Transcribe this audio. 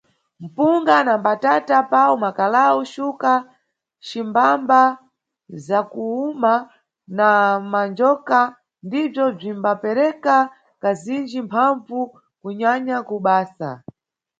Mpunga, na mbatata, pau, makalau, xuka cimbamba zakuwuma na manjoka ndibzo bzimbapereka kazinji mphambvu kunyanya ku basa.